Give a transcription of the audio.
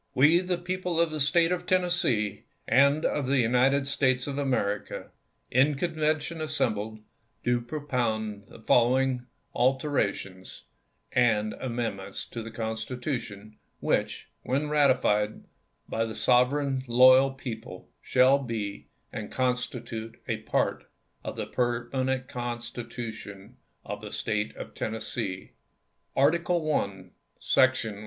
We, the people of the State of Tennessee and of the 1865. United States of America, in Convention assembled, do propound the following alterations and amendments to the constitution ; which, when ratified by the sovereign loyal people, shall be and constitute a part of the permanent constitution of the State of Tennessee : Article I. Section I.